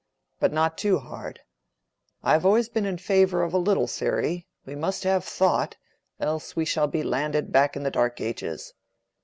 But not too hard. I have always been in favor of a little theory: we must have Thought; else we shall be landed back in the dark ages.